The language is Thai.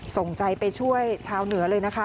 ส่งใจไปช่วยชาวเหนือเลยนะคะ